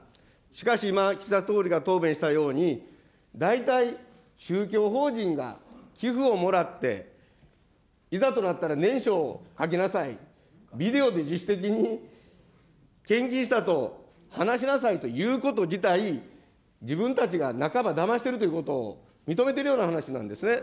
しかし、今、岸田総理が答弁したように、大体、宗教法人が寄付をもらって、いざとなったら念書を書きなさい、ビデオで自主的に献金したと話しなさいということ自体、自分たちが半ばだましているということを認めてるような話なんですね。